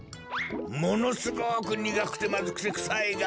ものすごくにがくてまずくてくさいが。